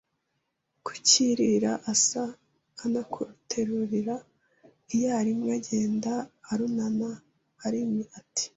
ku kiriri asa a ana kuruterurira iyarimwe agenda urunana aririma ati